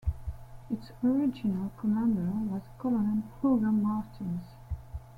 Its original commander was Colonel Hugo Martinez.